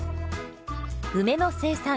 梅の生産